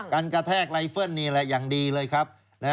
กระแทกไลเฟิลนี่แหละอย่างดีเลยครับ